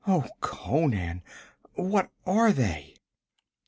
Oh, Conan, what are they?'